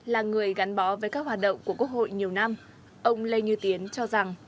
là người gắn bó với các hoạt động của quốc hội nhiều năm ông lê như tiến cho rằng